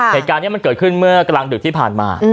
เหตุการณ์นี้มันเกิดขึ้นเมื่อกลางดึกที่ผ่านมา